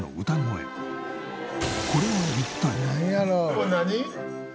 これ何？